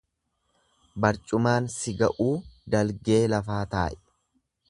Barcumaan sin ga'uu dalgee lafaa taa'i.